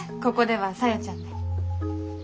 ここでは小夜ちゃんで。